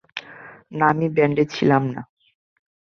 না, আমি ব্যান্ডে ছিলাম না।